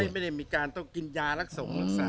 ไม่ได้มีการต้องกินยารักษา